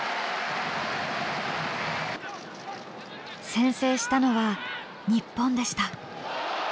先制したのは日本でした。